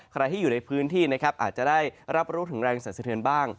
ใครที่อยู่ในพื้นที่อาจจะได้รับรู้ถึงแรงสังเกิดเทือนบ้าง